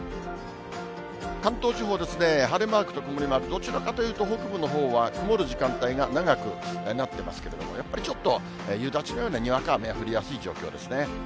関東地方ですね、晴れマークと曇りマーク、どちらかというと、北部のほうは曇る時間帯が長くなってますけれども、やっぱりちょっと夕立のようなにわか雨は降りやすい状況ですね。